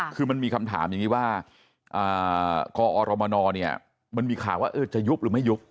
คือมันมีคำถามอย่างนี้ว่ากอรมนเนี่ยมันมีข่าวว่าจะยุบหรือไม่ยุบ